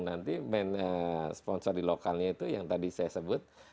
nanti main sponsor di lokalnya itu yang tadi saya sebut